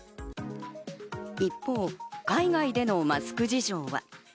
一方、海外でのマスク事情は。